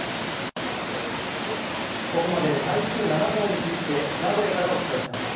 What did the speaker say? ここまで台風７号について名古屋からお伝えしました。